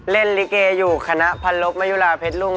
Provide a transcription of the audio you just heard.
เล่นลิเกยุคณะพันลบมายุราพริกรุง